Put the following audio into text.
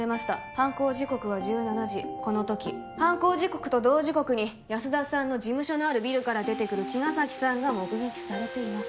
犯行時刻は１７時このとき犯行時刻と同時刻に安田さんの事務所のあるビルから出てくる茅ヶ崎さんが目撃されています